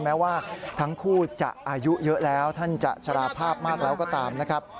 แม้ว่าทั้งคู่จะอายุเยอะแล้วท่านจะชราภาพมากแล้วก็ตามนะครับ